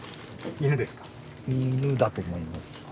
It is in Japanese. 犬だと思います。